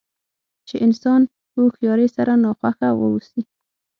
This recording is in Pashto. چې انسان په هوښیارۍ سره ناخوښه واوسي.